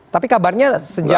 tapi kabarnya sejak